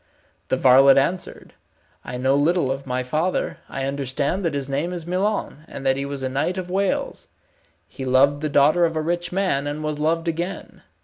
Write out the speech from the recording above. The varlet answered, "I know little of my father. I understand that his name is Milon, and that he was a knight of Wales. He loved the daughter of a rich man, and was loved again.